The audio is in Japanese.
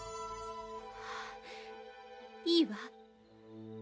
「いいわ」